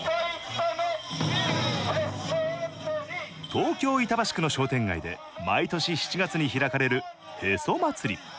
東京・板橋区の商店街で毎年７月に開かれるへそ祭り。